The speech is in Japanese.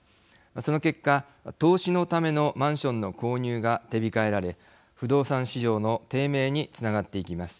その結果投資のためのマンションの購入が手控えられ不動産市場の低迷につながっていきます。